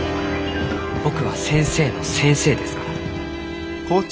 僕は先生の先生ですから。